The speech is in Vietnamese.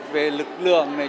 về lực lượng này